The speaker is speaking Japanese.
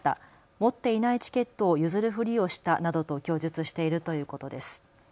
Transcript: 持っていないチケットを譲るふりをしたなどと供述しているということです。